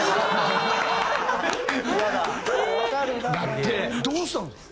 なってどうしたんですか？